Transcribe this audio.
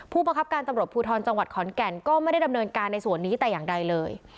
ประคับการตำรวจภูทรจังหวัดขอนแก่นก็ไม่ได้ดำเนินการในส่วนนี้แต่อย่างใดเลย